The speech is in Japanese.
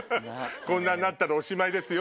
こんなんなったらおしまいですよ